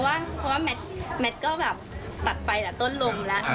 อืมเพราะว่าแมทก็ตัดไปต้นลมแล้ว